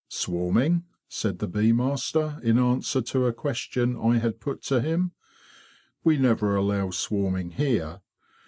'' Swarming? "' said the bee master, in answer to a question I had put to him. '' We never allow swarming here.